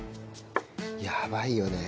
やばいよね。